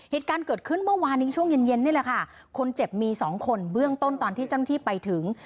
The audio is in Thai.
เหตุการณ์เกิดขึ้นเมื่อวานนี้ช่วงเย็นเย็นนี่แหละค่ะคนเจ็บมีสองคนเบื้องต้นตอนที่เจ้าหน้าที่ไปถึง